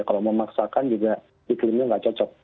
kalau memaksakan juga iklimnya nggak cocok